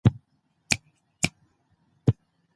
ولور په اسلام کې هيڅ شتون نلري.